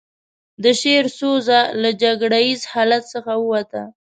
د شعر سوژه له جګړه ييز حالت څخه ووته.